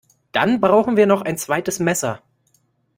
Dann brauchen wir noch ein zweites Messer